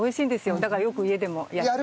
だからよく家でもやります。